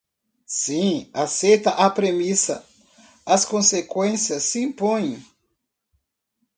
Sim, aceita a premissa, as conseqüências se impõem.